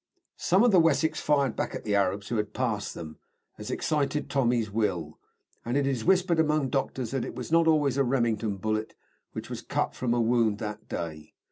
Some of the Wessex fired back at the Arabs who had passed them, as excited Tommies will, and it is whispered among doctors that it was not always a Remington bullet which was cut from a wound that day.